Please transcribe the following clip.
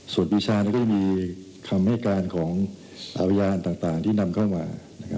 ส่วนพริชานี่ก็ได้มีคำให้การของอาวีญาณต่างที่นำเข้ามา